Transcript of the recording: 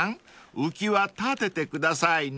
浮きは立ててくださいね］